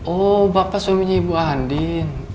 oh bapak suaminya ibu handin